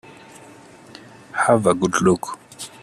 Have a good look.